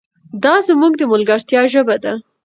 دا زموږ د ملګرتیا ژبه ده.